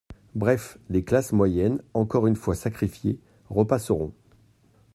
Bref, les classes moyennes, encore une fois sacrifiées, repasseront.